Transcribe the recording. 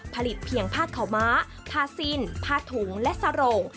เพียงผ้าขาวม้าผ้าสิ้นผ้าถุงและสโรง